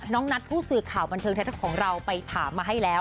ก็นัดผู้ศึกข่าวบันเทิงเท็จของเราไปถามมาให้แล้ว